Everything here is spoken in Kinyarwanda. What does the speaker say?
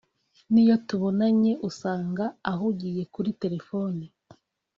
niyo tubonanye usanga ahugiye kuri telefone